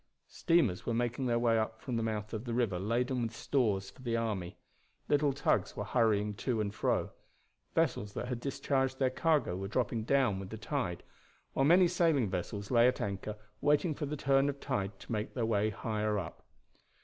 Steamers were making their way up from the mouth of the river laden with stores for the army. Little tugs were hurrying to and fro. Vessels that had discharged their cargo were dropping down with the tide, while many sailing vessels lay at anchor waiting for the turn of tide to make their way higher up.